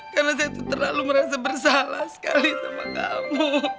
karena saya tuh terlalu merasa bersalah sekali sama kamu